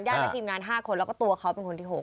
และทีมงาน๕คนแล้วก็ตัวเขาเป็นคนที่๖